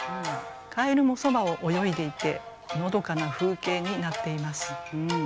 蛙もそばを泳いでいてのどかな風景になっています。